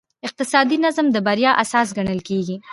اقتصادي نظم د بریا اساس ګڼل کېږي.